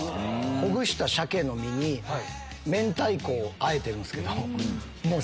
ほぐした鮭の身に明太子をあえてるんですけど。